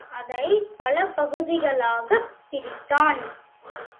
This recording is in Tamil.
அதைப் பல பகுதிகளாகப் பிரித்தான்.